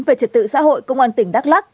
về trật tự xã hội công an tỉnh đắk lắc